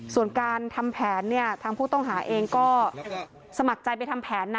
ส่วนการทำแผนเนี่ยทางผู้ต้องหาเองก็สมัครใจไปทำแผนนะ